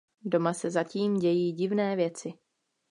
Doma se zatím dějí divné věci.